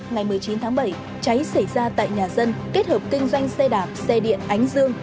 ngày một mươi chín tháng bảy cháy xảy ra tại nhà dân kết hợp kinh doanh xe đạp xe điện ánh dương